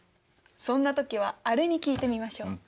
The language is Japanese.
そんな時はあれに聞いてみましょう。